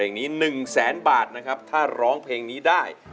เพลงนี้๑แสนบาทนะครับถ้าร้องเพลงนี้ได้